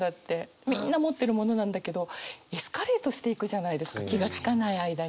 みんな持ってるものなんだけどエスカレートしていくじゃないですか気が付かない間に。